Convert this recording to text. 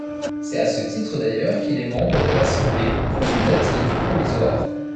C'est à ce titre d'ailleurs qu'il est membre de l'assemblée consultative provisoire.